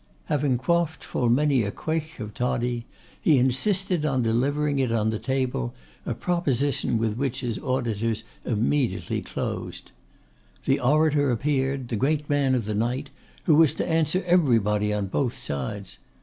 Having quaffed full many a quaigh of toddy, he insisted on delivering, it on the table, a proposition with which his auditors immediately closed. The orator appeared, the great man of the night, who was to answer everybody on both sides.